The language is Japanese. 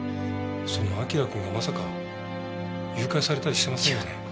その輝くんがまさか誘拐されたりしてませんよね？